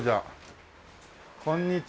こんにちは。